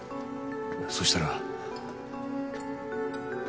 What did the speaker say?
そうしたら。